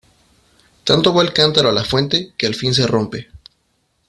Tanto va el cántaro a la fuente que al fin se rompe.